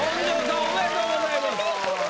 ありがとうございます。